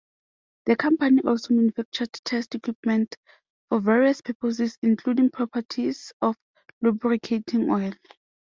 The company also manufactured test equipment for various purposes, including properties of lubricating oil.